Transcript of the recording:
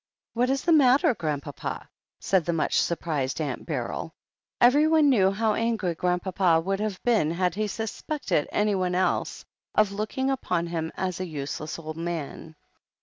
"What is the matter, Grandpapa?" said the much surprised Aunt Beryl. Everyone knew how angry Grandpapa would have been had he suspected anyone else of looking upon him as a useless old man.